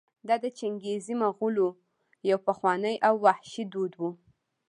دا د چنګېزي مغولو یو پخوانی او وحشي دود و.